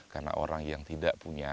karena orang yang tidak punya